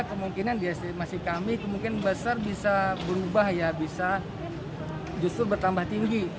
kemungkinan di estimasi kami kemungkinan besar bisa berubah ya bisa justru bertambah tinggi